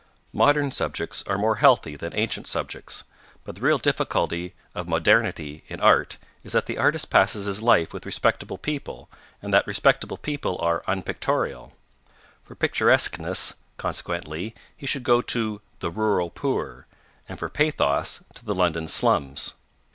Modern subjects are more healthy than ancient subjects, but the real difficulty of modernity in art is that the artist passes his life with respectable people, and that respectable people are unpictorial. 'For picturesqueness,' consequently, he should go to 'the rural poor,' and for pathos to the London slums.